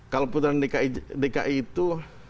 kalau putaran dki itu